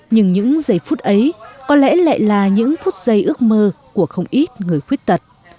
nhưng những giây phút ấy có lẽ lại là những phút giây ước mơ của không ít người khuyết tật